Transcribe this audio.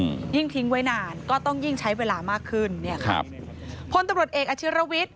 อืมยิ่งทิ้งไว้นานก็ต้องยิ่งใช้เวลามากขึ้นเนี่ยครับพลตำรวจเอกอาชิรวิทย์